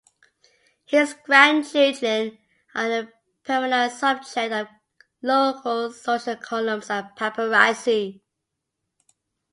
His grandchildren are a perennial subject of local social columns and paparazzi.